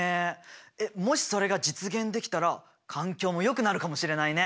えっもしそれが実現できたら環境もよくなるかもしれないね！